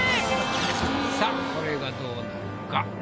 さあこれがどうなるか。